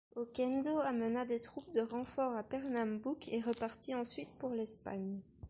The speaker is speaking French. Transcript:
Oquendo amena des troupes de renfort à Pernambouc et repartit ensuite pour l'Espagne.